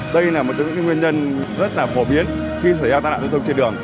đây là một trong những nguyên nhân rất là phổ biến khi xảy ra tai nạn giao thông trên đường